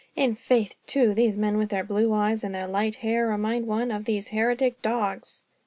In faith, too, these men, with their blue eyes and their light hair, remind one of these heretic dogs."